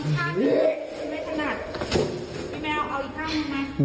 พี่แมวเอาอีกช่างให้กัน